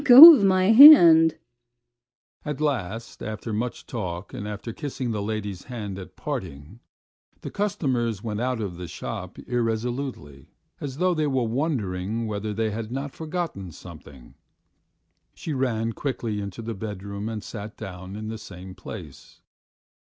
'" "Let go of my hand." At last after much talk and after kissing the lady's hand at parting, the customers went out of the shop irresolutely, as though they were wondering whether they had not forgotten something. She ran quickly into the bedroom and sat down in the same place.